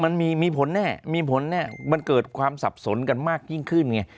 มันมีผลแน่มีผลแน่มันเกิดความสับสนกันมากยิ่งขึ้นไง